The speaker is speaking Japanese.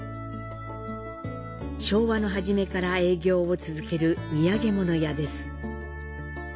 昭和の初めから営業を続ける土産物屋です。